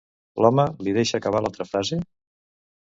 L'home li deixa acabar l'altra frase?